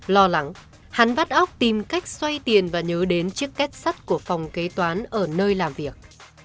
lo lắng hắn vắt óc tìm cách xoay tiền và nhớ đến chiếc két sắt của phòng kế toán ở nơi làm việc